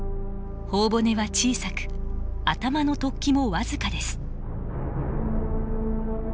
頬骨は小さく頭の突起も僅かです。